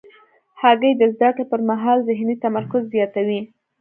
هګۍ د زده کړې پر مهال ذهني تمرکز زیاتوي.